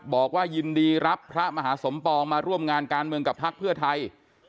บอกว่ายินดีรับพระมหาสมปองมาร่วมงานการเมืองกับพักเพื่อไทย